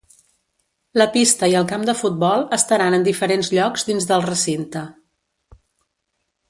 La pista i el camp de futbol estaran en diferents llocs dins del recinte.